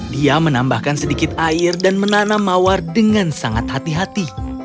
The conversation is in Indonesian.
dia menambahkan sedikit air dan menanam mawar dengan sangat hati hati